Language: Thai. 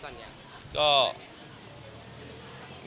ฟองบ่นจอกที่ที่หมี